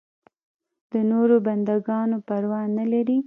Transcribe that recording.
د نورو بنده ګانو پروا نه لري.